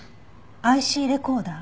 ＩＣレコーダー？